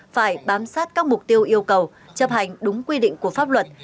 phải bám sát các mục tiêu yêu cầu chấp hành đúng quy định của pháp luật